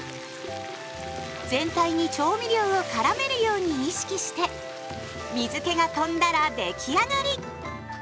全体に調味料をからめるように意識して水けがとんだら出来上がり！